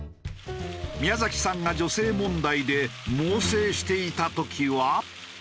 宮崎さんが女性問題で猛省していた時は。